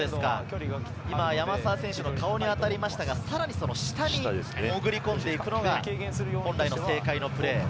今は山沢選手の顔に当たりましたが、その下に潜り込んでいくのが本来の正解のプレー。